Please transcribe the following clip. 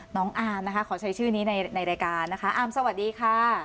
น้องอาร์มนะคะขอใช้ชื่อนี้ในรายการนะคะอาร์มสวัสดีค่ะ